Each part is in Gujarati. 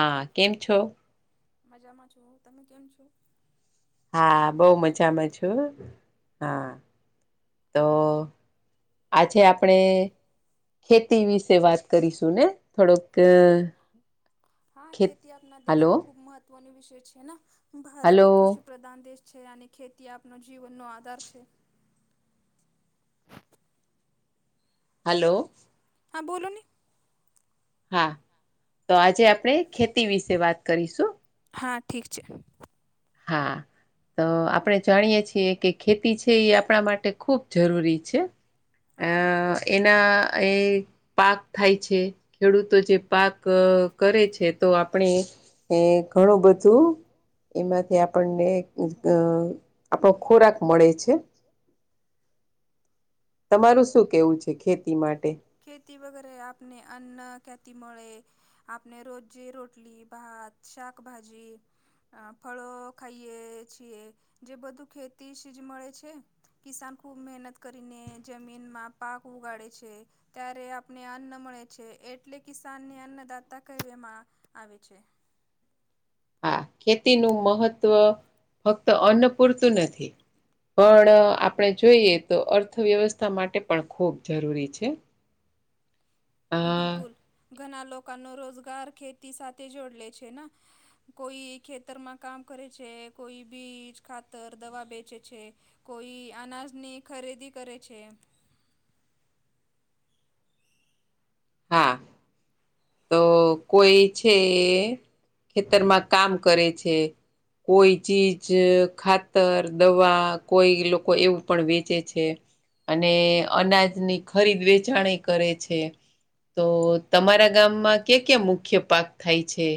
બોલો મજામાં છો તમે કેમ છો? હા બહુ મજામાં છું હા તો, આજે આપણે ખેતી વિશે વાત કરીશું ને થોડોક ખેત હાલો વિષય છે ભારત એ કૃષિ પ્રધાન દેશ છે અને ખેતી આપનો જીવનનો આધાર છે. હલો. હા બોલો ને. હા તો આજે આપણે ખેતી વિશે વાત કરીશું. હા ઠીક છે. હા તો આપણે જાણીએ છીએ કે ખેતી છે એ આપણા માટે ખૂબ જરૂરી છે અ એના એ પાક થાય છે ખેડૂતો જે પાક કરે છે તો આપણી એ ઘણું બધું એમાં તે આપણને અ આપણો ખોરાક મળે છે. છે [unintelligible] તમારું શું કેવું છે ખેતી માટે? ખેતી વગેરે આપને અન્ન ક્યાંથી મળે આપણે રોજે રોટલી ભાત શાકભાજી અ ફળો ખાઈએ છીએ જે બધું ખેતી સીજ મળે છે કિસાન ખુબ મહેનત કરીને જમીનમાં પાક ઉગાડે છે ત્યારે આપને અન્ન મળે છે એટલે કિશાનને અન્નદાતા કહેવામાં આવે છે હા ખેતીનું મહત્ત્વ ફક્ત અન્ન પૂરતું નથી પણ આપણે જોઈએ તો અર્થવ્યવસ્થા માટે પણ ખૂબ જરૂરી છે બિલકુલ ઘણા લોકોનો રોજગાર ખેતી સાથે જોડ લે છે ને કોઈ ખેતરમાં કામ કરે છે કોઈ બીજ ખાતર દવા બેચે છે કોઈ અનાજની ખરીદી કરે છે હા છે એ ખેતરમાં કામ કરે છે કોઈ ચીજ ખાતર દવા કોઈ લોકો એવું પણ વેચે છે અને અનાજની ખરીદ વેચાણએ કરે છે તો તમારા ગામમાં ક્યાં ક્યાં મુખ્ય પાક થાય છે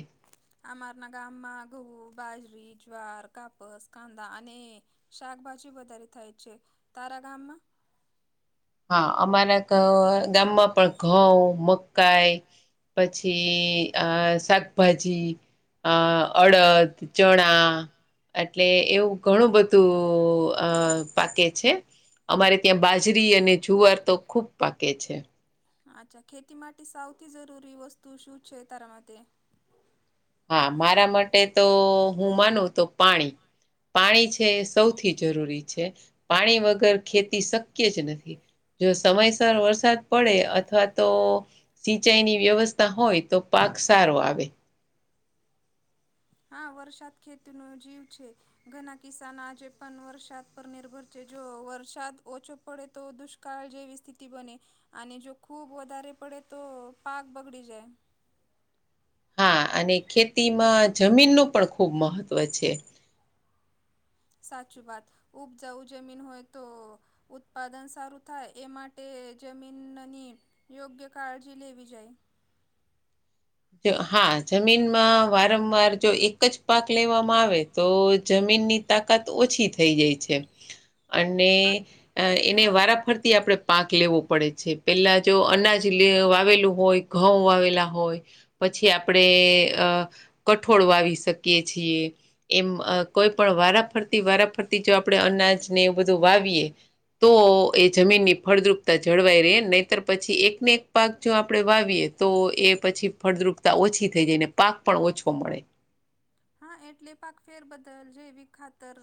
આમારના ગામમાં ઘઉ બાજરી જ્વાર કાપસ કાંદા અને શાકભાજી વધારે થાય છે તારા ગામમાં હા અમારા ક ગામમાં પણ ઘઉં મકાઈ પછી અ શાકભાજી અ અડદ ચણા એટલે એવું ઘણું બધું પાકે છે અમારે ત્યાં બાજરી અને જુવાર તો ખૂબ પાકે છે અચ્છા ખેતી માટે સૌથી જરૂરી વસ્તુ શું છે. તારા માટે હા મારા માટે તો હું માનું તો પાણી પાણી છે એ સૌથી જરૂરી છે. પાણી વગર ખેતી શક્ય જ નથી જો સમયસર વરસાદ પડે અથવા તો સિંચાઈની વ્યવસ્થા હોય તો પાક સારો આવે હા વરસાદ ખેતી નો જીવ છે ઘણા કિસાાન આજે પણ વરસાદ પર નિર્ભર છે જો વરસાદ ઓછો પડે તો દુષ્કાળ જેવી સ્થિતિ બને અને જો ખૂબ વધારે પડે તો પાક બગડી જાય હા અને ખેતીમાં જમીનનું પણ ખૂબ મહત્વ છે. સાચી વાત ઉપ જવું જમીન હોય તો ઉત્પાદન સારું થાય એ માટે જમીનની યોગ્ય કાળજી લેવી જાય હા જમીનમાં વારંવાર જો એક જ પાક લેવામાં આવે તો જમીનની તાકાત ઓછી થઈ જાય છે. [inaudible] અને એને વારાફરતી આપણે પાક લેવો પડે છે. પેલા જો અનાજ વાવેલું હોય ઘઉં વાવેલા હોય પછી આપણે એ કઠોળ વાવી શકીએ છીએ એમ કોઈ પણ વારાફરતી વારાફરતી જો આપડણે અનાજ ને એવું બધું વાવીએ તો એ જમીન ની ફળદ્રુપતા જળવાઈ રહે નહીતર પછી એક ને એક પાક જો આપણેે વાવીએે તો એ પછી ફળદ્રુપતા ઓછી થઈ જાય ને પાક પણ ઓછો મળે હા એટલે પાકફેર બદલ જૈવિક ખતર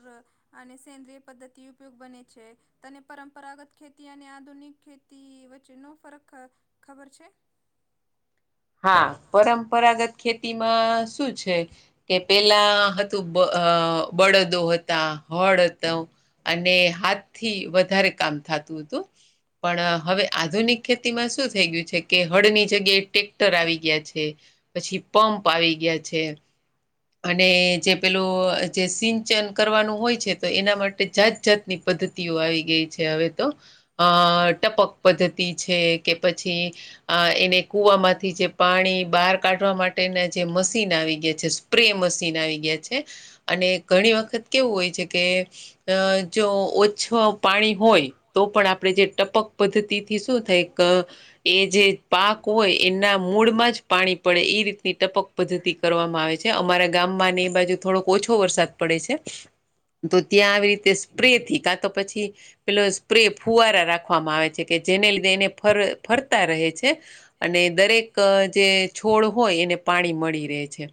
અને સેન્દ્રય પદ્ધતિ ઉપયોગ બને છે તને પરંપરાગત ખેતી અને આધુનિક ખેતી વચ્ચે નો ફરક ખબર છે. હા પરંપરાગત ખેતીમાં શું છે? કે પેલા હતું બળદો હતા હોડ હતો અને હાથ થી વધારે કામ થતું હતું. પણ હવે આધુનિક ખેતીમાં શું થઈ ગયું છે. કે હળ ની જગ્યાએ ટર આવી ગયા છે. પછી પંપ આવી ગયા છે. અને જે પેલું જે સિંચન કરવાનું હોય છે તો એના માટે જાત જાતની પદ્ધ તી આવી ગઈ છે હવે તો અ ટપક પદ્ધતિ છે કે પછી આ એને કૂવામાં થી જે પાણી બહાર કાઢવા માટેના જે મશીન આવી ગયા છે સ્પ્રે મશીન આવી ગયા છે. અને ઘણી વખત કેવું હોય છે કે અ જો ઓ છો પાણી હોય તો પણ આપણે જે ટપક પદ્ધતિથી શું થાય ક એ જે પાક હોય એના મૂળમાં જ પાણી પડે ઈ રીતની ટપક પદ્ધતિ કરવામાં આવે છે અમારા ગામમાં અને એ બાજુ થોડોક ઓછો વરસાદ પડે છે. તો ત્યાં આવી રીતે સ્પ્રે થી કાં તો પછી પેલો સ્પ્રે ફુવારા રાખવામાં આવે છે. કે જેને લીધે એને ફર ફરતા રહે છે અને દરેક જે છોડ હોય એને પાણી મળી રહે છે.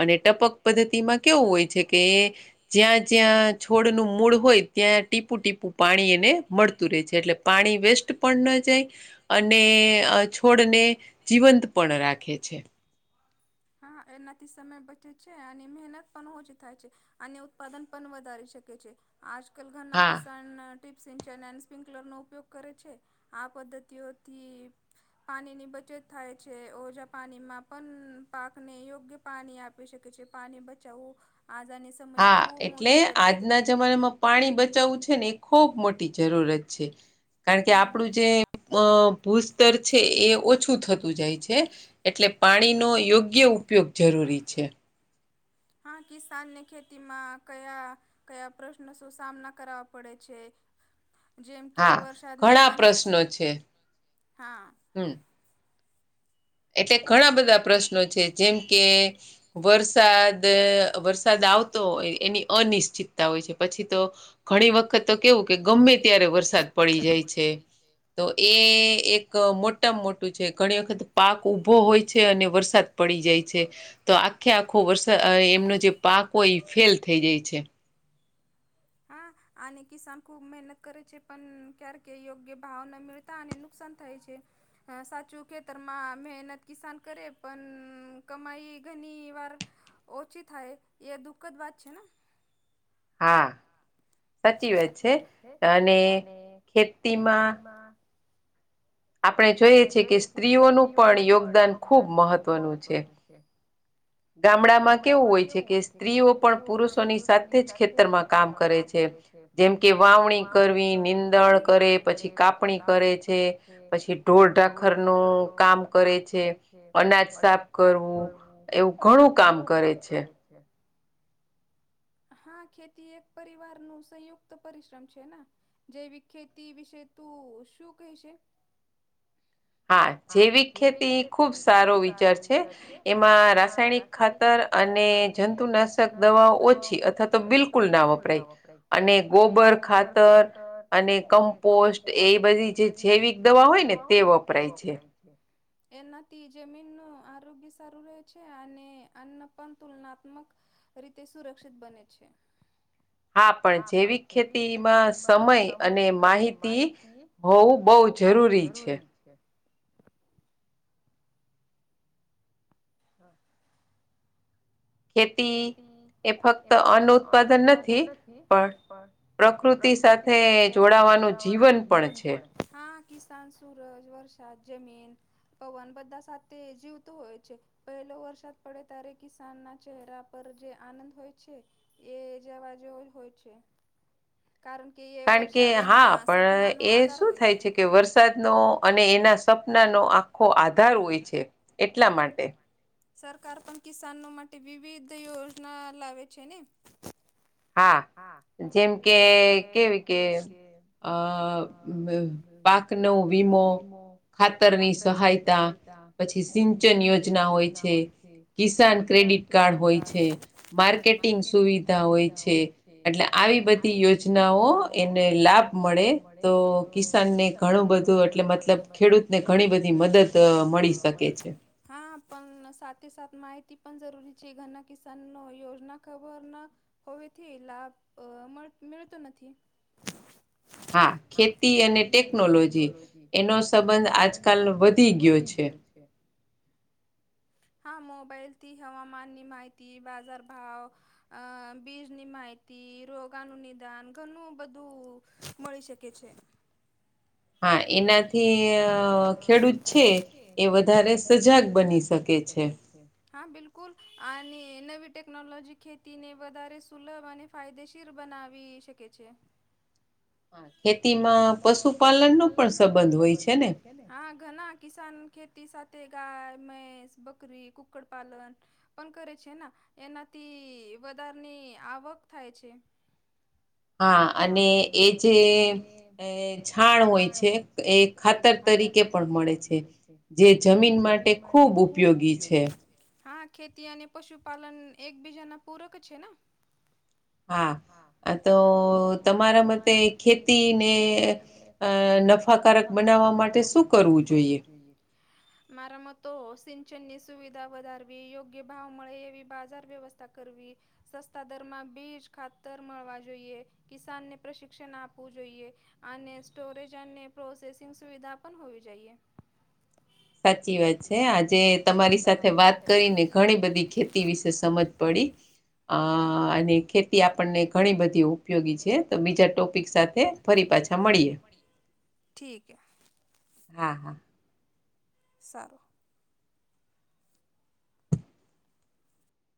અને ટપક પદ્ધતિ માં કેવું હોય છે કે જ્યાં જ્યાં છોડનું મૂળ હોય ત્યાં ટીપુ ટીપું પાણી એને મળતું રહે છે એટલે પાણી વેસ્ટ પણ ન જાય અને અ છોડને જીવંત પણ રાખે છે. હા એનાથી સમય બચે છે. અને મહેનત પણ ઓછી થાય છે. અને ઉત્પાદન પણ વધારી શકે છે. આજ કલ ઘના કિસાન ટિપ્સ સિંચન એન્ડ સ્પ્રિન્કલરનો ઉપયોગ કરે છે. આ પદ્ધતિઓથી પાણીની બચત થાય છે, ઓજા પાણીમાં પણ પાકને યોગ્ય પાણી આપી શકે છે. પાણી બચાવવું આઝાની હા, એટલે આજના જમાનામાં પાણી બચાવવું છેને. એ ખૂબ મોટી જરૂરત છે. કારણ કે આપડે જે અ ભૂસ્તર છે એ ઓછું થતું જાય છે. એટલે પાણીનો યોગ્ય ઉપયોગ જરૂરી છે. હા, કિસાનને ખેતીમાં કયા કયા પ્રશ્નો શો સામના કર વા પડે છે. જેમ, કે વરસાદની અનિશ્ચિત હા હંમ એટલે ઘણા બધા પ્રશ્નો છે જેમ કે વરસાદ વરસાદ આવતો હોય એની અનિશ્ચિતતા હોય છે પછી તો ઘણી વ વખત તો કેવું કે ગમે ત્યારે વરસાદ પડી જાય છે. તો એ એક મો કમ મોટું છે ઘણી વખત પાક ઉભો હોય છે. અને વરસાદ પડી જાય છે. તો આખે આખો વરસા અ એમનો જે પાક હોય એ ફેલ થઈ જાય છે. હા આને કિસાન ખૂબ મહેનત કરે છે પણ ક્યારકે યોગ્ય ભાવના મળે તા અને નુકસાન થાય છે. હા સાચું ખેતરમાં મહેનત કિસાન કરે પણ કમાઈ ઘણી વાર ઓછી થાય એ દુઃખદ વાત છેને હા સાચી વાત છે અને ખેતીમાં આપણે જોઈએ છેએ કે સ્ત્રીઓનું પણ યોગદાન ખૂબ મહત્વનું છે. ગામડામાં કેવું હોય છે કે સ્ત્રીઓ પણ પુરુષોની સાથે જ ખેતરમાં કામ કરે છે. જેમ કે વાવણી કરવી નીંદણ કરે પછી કાપણી કરે છે. પછી ઢોરઢાખર નું કામ કરે છે. અનાજ સાફ કરવું એવું ઘણું ઘણું કામ કરે છે. હા ખેતી એક પરિવારનું સંયુક્ત પરિશ્રમ છે ને જૈવિક ખેતી વિશે તું શું કહેશે? હા, જૈવિક ખેતી ખુબ સારો વિચાર છે. એમાં રાસાયણિક ખાતર અને જંતુનાશક દવાઓ ઓછી અથવા તો બિલકુલ ના વપરાય. અને ગોબર ખાતર અને કમ્પોસ્ટ એ બધી જે જૈવિક દવા હોય ને તે વપરાય છે. એનાથી જમીનનું આરોગ્ય સારું રહે છે, અને અન્ન પણ તુલનાત્મક રીતે સુરક્ષિત બને છે. હા, પણ જેૈવિક ખેતીમાં સમય અને માહિતી હોવું બઉ જરૂરી છે. ખેતી એ ફક્ત અન્ન ઉત્પાદન નથી, પણ પ્રકૃતિ સાથે જોડાવાનું જીવન પણ હા, કિસાન, સૂરજ, વરસાદ, જમીન પવન બધા સાથે જીવતું હોય છે. પહેલો વરસાદ પડે ત્યારે કિસાન ના ચહેરા પર જે આનંદ હોય છે, એ જવા જેવો જ હોય છે. કારણ કે એ કારણ કે હા પણ એ શું થાય છે. કે વરસાદનો અને એના સપનાનો આખો આધાર હોય છે, એટલા માટે. સરકાર પણ કિસાનો માટે વિવિધ યોજના લાવે છેને. હા, જેમ કે કેવી કે અહ વે પાક નો વીમો ખાતરની સહાયતા પછી સિંચન યોજના હોય છે. કિસાન ક્રેડિટ કાર્ડ, માર્કેટિંગ સુવિધા હોય છે, એટલે આવી બધી યોજનાઓ એને લાભ મળે તો કિસ સાન ને ઘણું બધું એટલે મતલબ ખેડૂતને ઘણી બધી મદદ અહ મળી જાતી. હા, પણ સાથેસાથ માહિત પણ જરૂરી છે ઘરના કિસાન નો યોજના ખબર ના હોવેથી લાભ અહ મળ મેળતો નથી. હા, ખેતી અને ટેકનોલોજી એનો સંબંધ આજ કાલ નો વધી ગયો છે. હા, મોબાઈલથી હવામાનની માહિતી બાજાર ભાવ અહ બીજની માહિતી રોગાનું નિદાન ઘણું બધું મળી શકે છે. એનાથી અહ જે છે એ વધારે જ જાગ બની જાય. શકે છે. હા, બિલકુલ અને નવી ટેકનોલોજી ખેતીને વધારે સુલભ અને ફાયદેેશીર બનાવી શકે છે. હા ખેતીમાં પશુપાલન નો પણ સંબંધ હોય છે ને. હહા ઘણા કિસાન ખેતી સાથે ગાય, મહેસ, બકરી, કુક્ડ પાલન પણ કરે છે ના એનાથી વધારની આવક થાય છે. હા અને એ જે એ છાણ હોય છે એ ખાતર તરીકે પણ મળે છે, જે જમીન માટે ખૂબ ઉપયોગી છે. હા, ખેતી અને પશુપાલન એકબીજા ના પૂરક છે ના? હા અ તો તમારા મતે ખેતીને અહ નફાકારક બનાવવા માટે શું તે શું કરવું જોઈએ? મારા માં તો સિંચનની સુવિધા વધારવી યોગ્ય ભાવ મળે એવી બાજર વ્યવસ્થા કરવી સસ્તા દરમાં બીજ, ખાતર મળવા જોઈએ. કિસાનને પ્રશિક્ષણ આપવું જોઈએ. અને સ્ટોરેજ અને પ્રોસેસિંગ સુવિધા પણ હોવી જોઈએ. સાચી વાત છે. આજે તમારી સાથે વાત કરીને ઘણી બધી ખેતી વિશ તે સમજ પડી અ અને ખેતી આપણને ઘણી બધી ઉપ ઉપયોગી છે તો બીજા ટોપિક સાથે ફરી પાછા મળીએ. હા, હા. સારું.